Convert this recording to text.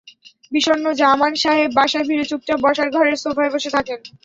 বিষণ্ন জামান সাহেব বাসায় ফিরে চুপচাপ বসার ঘরের সোফায় বসে থাকেন।